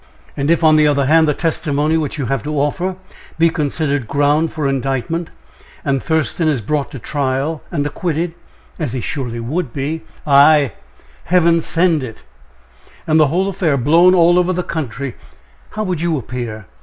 "And if, on the other hand, the testimony which you have to offer be considered ground for indictment, and Thurston is brought to trial, and acquitted, as he surely would be " "Ay! Heaven send it!" "And the whole affair blown all over the country how would you appear?"